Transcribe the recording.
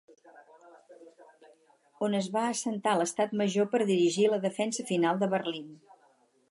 On es va assentar l'estat major per dirigir la defensa final de Berlín.